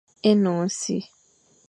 Énoñ e si,